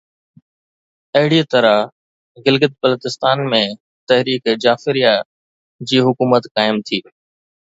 اهڙي طرح گلگت بلتستان ۾ تحريڪ جعفريه جي حڪومت قائم ٿي